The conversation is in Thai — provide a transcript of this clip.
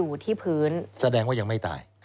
สวัสดีครับคุณผู้ชมค่ะต้อนรับเข้าที่วิทยาลัยศาสตร์